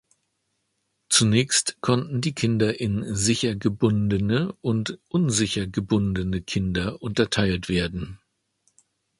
Zunächst konnten die Kinder in sicher gebundene und unsicher gebundene Kinder unterteilt werden.